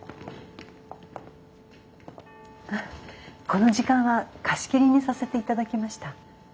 この時間は貸し切りにさせていただきました。